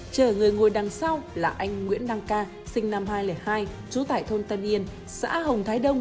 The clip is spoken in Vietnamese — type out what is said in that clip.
chở người ngồi đằng sau là anh nguyễn đăng ca sinh năm hai nghìn hai trú tại thôn tân yên xã hồng thái đông